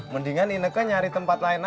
mendingan ineke nyari tempat lain aja